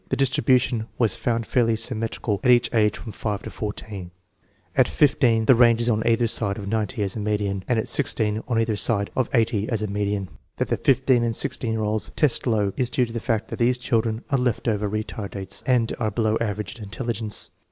The distribution was found fairly symmetrical at each age from 5 to 14. At 15 the range is on either side of 90 as a median, and at 16 on either side of 80 as a median. That the 15 and 16 year olds test low is due to the fact that these children are left over retardates and are below average in intelligence.